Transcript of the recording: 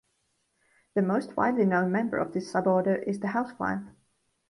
The most widely known member of this suborder is the housefly.